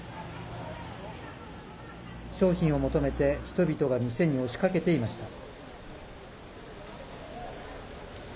商品を求めて人々が店に押しかけていました。